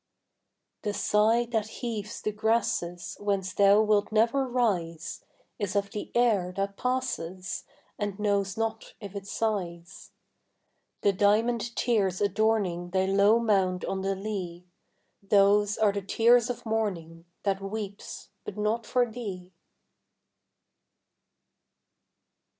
The sigh that heaves the grasses Whence thou wilt never rise Is of the air that passes And knows not if it sighs. The diamond tears adorning Thy low mound on the lea, Those are the tears of morning, That weeps, but not for thee.